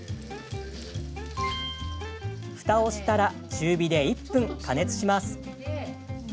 ふたをしたら中火で１分、加熱します。